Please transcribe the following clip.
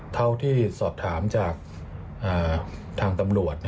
เท่าที่สอบถามจากทางตำรวจ